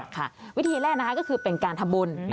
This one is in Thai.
ค่ะวิธีแรกก็คือเป็นการทำบุญ